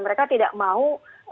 mereka tidak mau